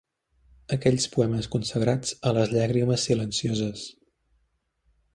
Aquells poemes consagrats a les llàgrimes silencioses